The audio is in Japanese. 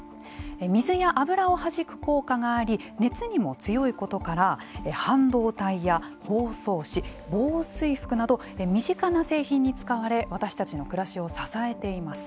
水や油をはじく効果があり熱にも強いことから半導体や包装紙、防水服など身近な製品に使われ私たちの暮らしを支えています。